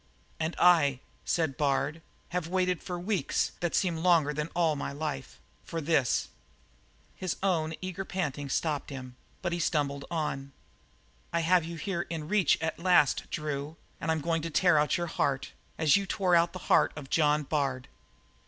"And I," said Bard, "have waited a few weeks that seem longer than all my life, for this!" His own eager panting stopped him, but he stumbled on: "I have you here in reach at last, Drew, and I'm going to tear your heart out, as you tore the heart out of John Bard."